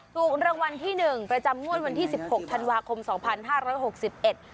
ถูกรางวัลที่หนึ่งประจำงวดวันที่สิบหกธันวาคมสองพันห้าร้อยหกสิบเอ็ด